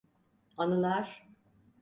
Anılar.